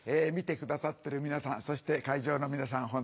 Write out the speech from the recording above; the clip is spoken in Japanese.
見てくださってる皆さんそして会場の皆さん